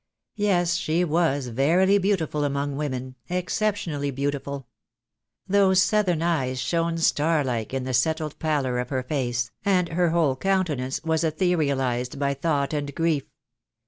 Yes, she was verily beautiful among women, exceptionally beautiful. Those southern eyes shone star like in the settled pallor of her face, and her whole countenance was etherealized by thought and grief.